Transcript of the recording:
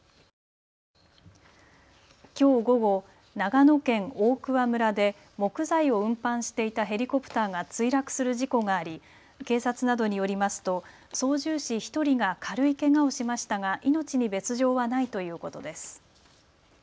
きょう午後、長野県大桑村で木材を運搬していたヘリコプターが墜落する事故があり警察などによりますと操縦士１人が軽いけがをしましたが命に別状はないということです。